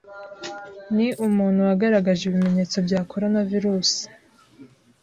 ni umuntu wagaragaje ibimenyetso bya Koronavirusi